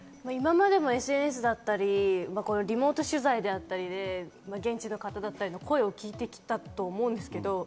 今までもＳＮＳだったり、リモート取材であったりで現地の方だったりと声を聞いてきたと思うんですけど。